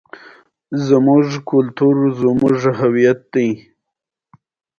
نیکه د زوی په زوی ډېر خوشحال وي.